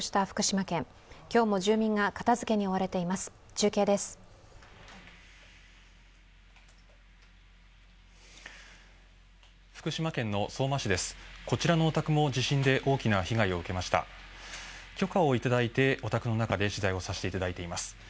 福島県の相馬市です。